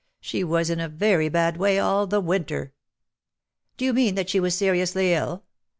She was in a very bad way all the winter.'^ " Do you mean that she was seriously ill